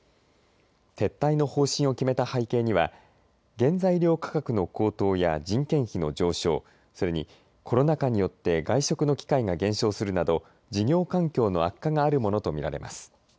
撤退の方針を決めた背景には原材料価格の高騰や人件費の上昇、それにコロナ禍によって外食の機会が減少するなど事業環境の悪化があるものと見られます。